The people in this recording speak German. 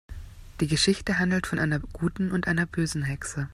Die Geschichte handelt von einer guten und einer bösen Hexe.